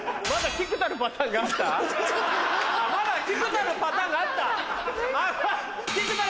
まだ菊田のパターンがあった？